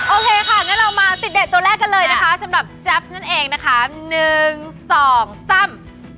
โอเคค่ะงั้นเรามาติดเดทตัวแรกกันเลยนะคะสำหรับแจ๊บนั่นเองนะคะหนึ่งสองซ่ำ